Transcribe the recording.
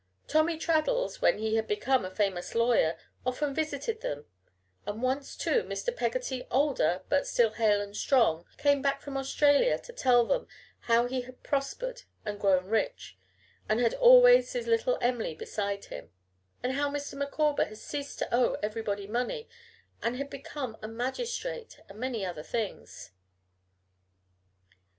Tommy Traddles, when he had become a famous lawyer, often visited them, and once, too, Mr. Peggotty, older, but still hale and strong, came back from Australia to tell them how he had prospered and grown rich, and had always his little Em'ly beside him, and how Mr. Micawber had ceased to owe everybody money and had become a magistrate, and many other things.